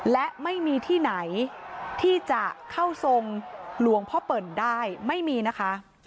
และไม่มีที่ไหนที่จะเข้าทรงหลวงพ่อเปิ่นได้ไม่มีนะคะ